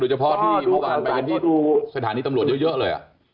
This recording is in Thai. โดยเฉพาะที่เขาเคยไปกับสถานีตำรวจเยอะเลยอ่ะ